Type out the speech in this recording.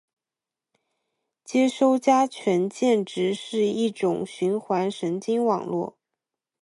接收加权键值是一种循环神经网络